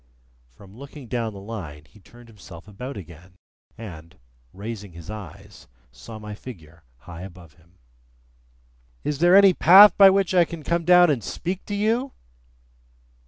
From looking down the Line, he turned himself about again, and, raising his eyes, saw my figure high above him. "Is there any path by which I can come down and speak to you?"